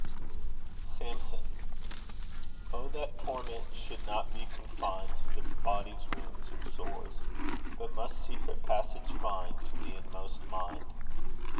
Samson. O that torment should not be confined To the body's wounds and sores, But must secret passage find To the inmost mind.